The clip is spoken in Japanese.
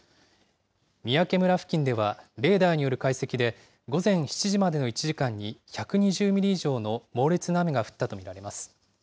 三宅村付近では、レーダーによる解析で、午前７時までの１時間に１２０ミリ以上の猛烈な雨が降ったと見られます。